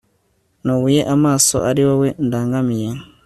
nubuye amaso ari wowe ndangamiye